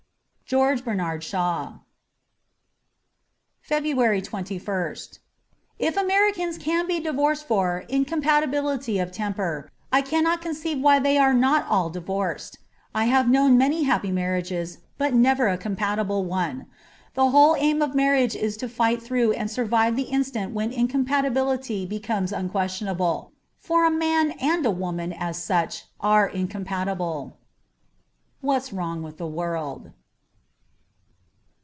^George Bernard Shaw.'' 56 FEBRUARY 21st IF Americans can be divorced for * incom patibility of temper,' I cannot conceive why they are not all divorced. I have known many happy marriages, but never a com patible one. The whole aim of marriage is to fight through and survive the instant when incom patibility becomes unquestionable. For a man and a woman, as such, are incompatible. ' What's Wrong with the World.'